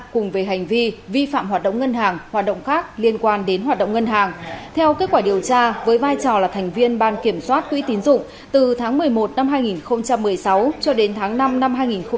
cùng về hành vi vi phạm hoạt động ngân hàng hoạt động khác liên quan đến hoạt động ngân hàng theo kết quả điều tra với vai trò là thành viên ban kiểm soát quỹ tín dụng từ tháng một mươi một năm hai nghìn một mươi sáu cho đến tháng năm năm hai nghìn một mươi bảy